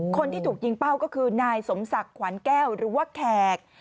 คนที่ถูกยิงเป้าก็คือนายสมศักดิ์ขวัญแก้วหรือว่าแขก